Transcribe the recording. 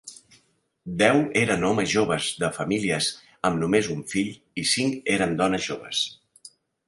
Deu eren homes joves de famílies amb només un fill i cinc eren dones joves.